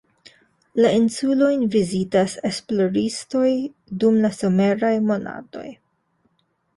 La insulojn vizitas esploristoj, dum la someraj monatoj.